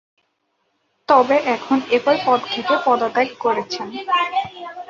তবে এখন একই পদ থেকে পদত্যাগ করেছেন।